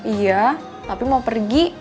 iya tapi mau pergi